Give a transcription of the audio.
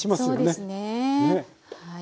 そうですねはい。